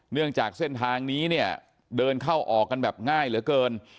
เนื่องจากเส้นทางนี้เนี่ยเดินเข้าออกกันแบบง่ายเหลือเกิน